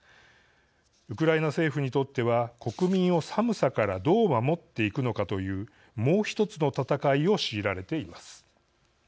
ウクライナ政府にとっては国民を寒さからどう守っていくのかというもう１つの戦いを強いられています。